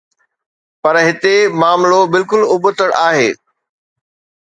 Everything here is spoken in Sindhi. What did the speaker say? پر هتي معاملو بلڪل ابتڙ آهي.